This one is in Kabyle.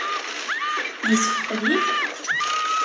Yessefqed-it?